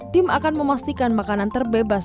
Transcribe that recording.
tim akan memastikan makanan terbebas